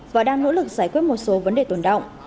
và đang nỗ lực giải quyết một số vấn đề tồn động